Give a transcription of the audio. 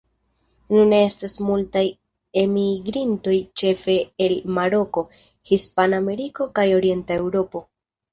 Nune estas multaj enmigrintoj ĉefe el Maroko, Hispanameriko kaj Orienta Eŭropo.